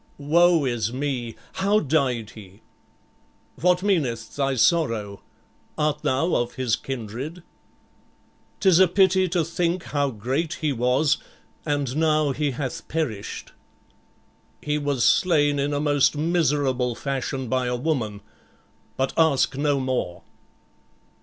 "Woe is me! How died he?" "What meaneth thy sorrow? Art thou of his kindred?" "'Tis a pity to think how great he was, and now he hath perished." "He was slain in a most miserable fashion by a woman, but ask no more."